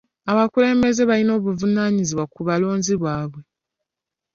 Abakulembeze bavunaanyizibwa ku balonzi baabwe.